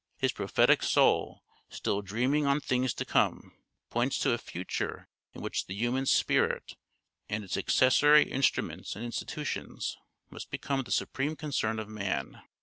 His " prophetic soul," still " dreaming on things to come," points to a future in which the human spirit, and its accessory instruments and institutions, must become the supreme concern of man.